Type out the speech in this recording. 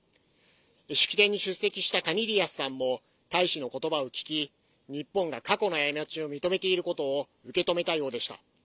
式典に出席したカニリヤスさんも大使の言葉を聞き日本が過去の過ちを認めていることを受け止めたようでした。